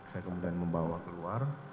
saya kemudian membawa keluar